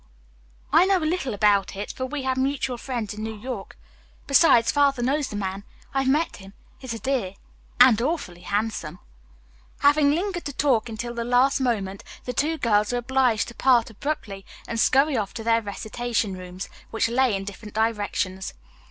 "I know a little about it, for we have mutual friends in New York. Besides, Father knows the man. I've met him. He's a dear, and awfully handsome." Having lingered to talk until the last moment the two girls were obliged to part abruptly and scurry off to their recitation rooms, which lay in different directions.